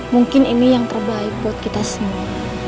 mungkin ini yang terbaik buat kita semua